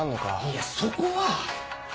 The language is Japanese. いやそこは。